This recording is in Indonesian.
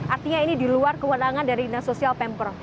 artinya ini di luar kewenangan dari dinasosial pemper